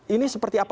ini seperti apa